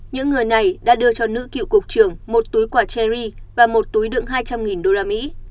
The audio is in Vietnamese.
những người này đã đưa cho nữ cựu cục trưởng một túi quả cherry và một túi đựng hai trăm linh usd